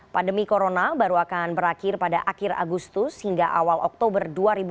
pandemi corona baru akan berakhir pada akhir agustus hingga awal oktober dua ribu dua puluh